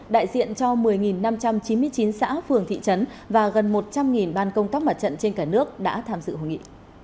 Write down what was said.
đại diện cho một mươi năm trăm chín mươi chín xã phường thị trấn và gần một trăm linh ban công tác mặt trận trên cả nước đã tham dự hội nghị